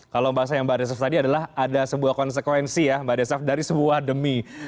kalau bahasa yang mbak desaf tadi adalah ada sebuah konsekuensi ya mbak desaf dari sebuah demi